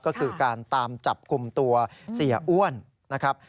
ก็คือการตามจับกลุ่มตัวเสียอ้วนนะครับ